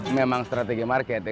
memang strategi market